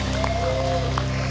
tiga dua satu